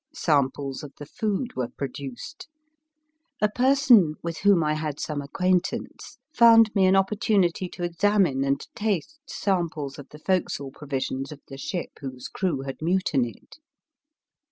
Samples of the food were produced. A person with whom I had some acquaintance found me an opportunity to examine and taste samples of the forecastle provisions of the ship whose crew had mutinied.